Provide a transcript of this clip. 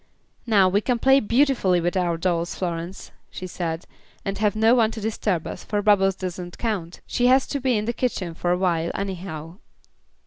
"Now we can play beautifully with our dolls, Florence," she said, "and have no one to disturb us, for Bubbles doesn't count. She has to be in the kitchen for a while anyhow."